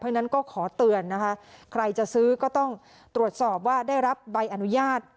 เพราะฉะนั้นก็ขอเตือนนะคะใครจะซื้อก็ต้องตรวจสอบว่าได้รับใบอนุญาต